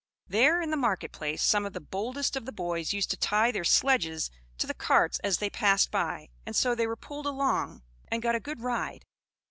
There, in the market place, some of the boldest of the boys used to tie their sledges to the carts as they passed by, and so they were pulled along, and got a good ride.